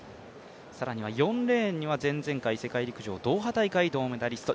さらには４レーンは前々回世界陸上ドーハ大会銀メダリスト、